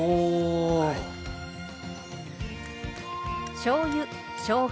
しょうゆしょうが